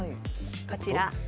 こちら。